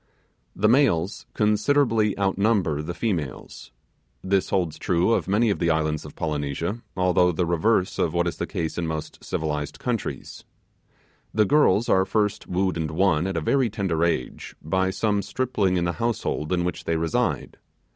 The males considerably outnumber the females. This holds true of many of the islands of Polynesia, although the reverse of what is the case in most civilized countries. The girls are first wooed and won, at a very tender age, by some stripling in the household in which they reside.